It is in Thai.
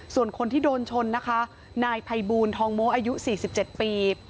ส่วนคนที่โดนชนนะคะนายภัยบูลทองโม้อายุ๔๗ปี